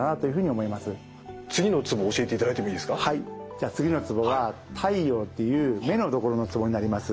じゃあ次のツボは太陽っていう目のところのツボになります。